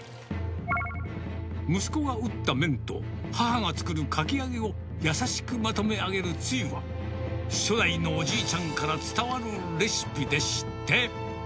息子が打った麺と、母が作るかき揚げを優しくまとめ上げるつゆは、初代のおじいちゃんから伝わるレシピでして。